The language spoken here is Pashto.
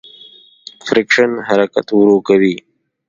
فریکشن حرکت ورو کوي.